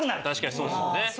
確かにそうですよね。